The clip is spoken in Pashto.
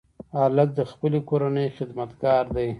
هلک د خپلې کورنۍ خدمتګار دی.